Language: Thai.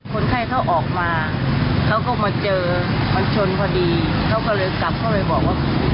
คนไข้เขาออกมาเขาก็มาเจอมันชนพอดีเขาก็เลยกลับเขาเลยบอกว่า